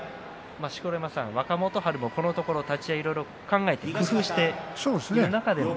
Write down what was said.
若元春もこのところ立ち合い、いろいろと考えて工夫している中での。